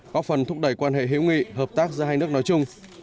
góp phần thúc đẩy quan hệ hữu nghị hợp tác giữa hai nước nói chung